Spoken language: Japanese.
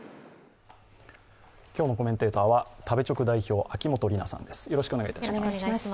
今日のコメンテーターは食べチョク代表、秋元里奈さんです。